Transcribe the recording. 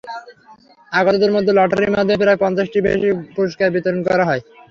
আগতদের মধ্যে লটারির মাধ্যমে প্রায় পঞ্চাশটিরও বেশি পুরস্কার বিতরণ করা হয়।